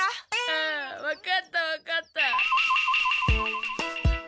あわかったわかった。